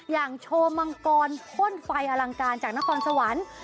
โชว์มังกรพ่นไฟอลังการจากนครสวรรค์